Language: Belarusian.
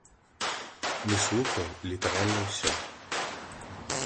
Мы слухаем літаральна ўсё.